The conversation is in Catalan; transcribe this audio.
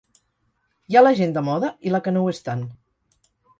Hi ha la gent de moda i la que no ho és tant.